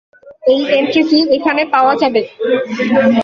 এই এন্ট্রিটি এখানে পাওয়া যাবে